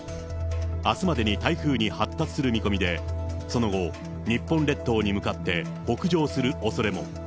あすまでに台風に発達する見込みで、その後、日本列島に向かって北上するおそれも。